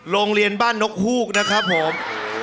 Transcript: โรงเรียนบ้านนกฮูกนะครับผม